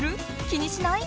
気にしない？